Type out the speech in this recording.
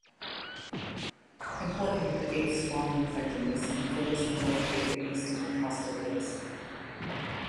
Importantly, the Eighth's bombing effectiveness influenced the North Vietnamese to end hostilities.